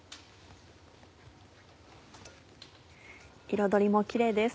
彩りもキレイです。